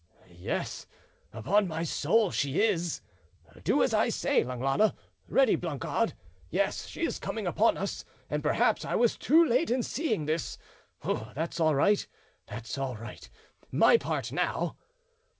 "Yes—upon my soul—so she is.... Do as I say, Langlade; ready, Blancard. Yes, she is coming upon us, and perhaps I was too late in seeing this. That's all right—that's all right: my part now."